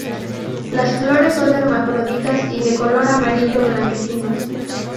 Las flores son hermafroditas y de color amarillo blanquecino.